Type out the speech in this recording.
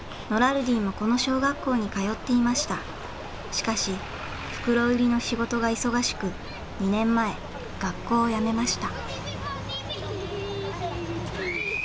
しかし袋売りの仕事が忙しく２年前学校をやめました。